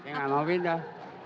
nggak mau pindah